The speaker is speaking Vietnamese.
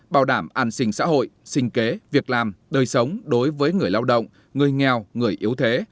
bảo đảm an sinh xã hội sinh kế việc làm đời sống đối với người lao động người nghèo người yếu thế